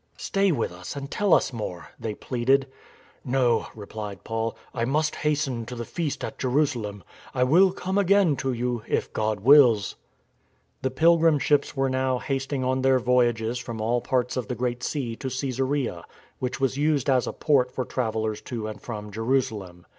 " Stay with us and tell us more," they pleaded. " No," replied Paul, " I must hasten to the Feast at Jerusalem. I will come again to you, if God wills." The pilgrim ships were now hasting on their voyages from all parts of the Great Sea to Cassarea, which was used as a port for travellers to and from Jerusalem.